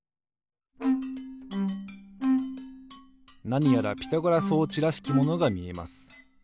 なにやらピタゴラ装置らしきものがみえます。